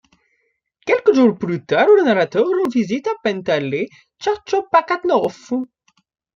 Quelques jours plus tard, le narrateur rend visite à Pantéleï Tchertopkhanov.